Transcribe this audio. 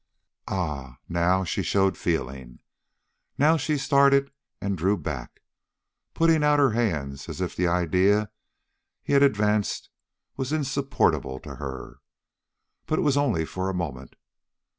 Ah, now she showed feeling; now she started and drew back, putting out her hands as if the idea he had advanced was insupportable to her. But it was only for a moment.